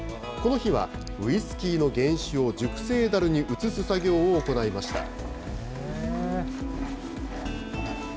この日はウイスキーの原酒を熟成だるに移す作業を行いました。